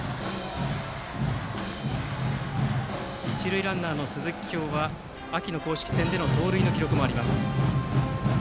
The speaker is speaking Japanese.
一塁ランナーの鈴木叶は秋の公式戦での盗塁の記録もあります。